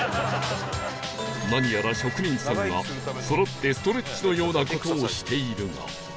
何やら職人さんがそろってストレッチのような事をしているが